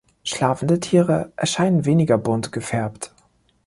Schlafende Tiere erscheinen weniger bunt gefärbt.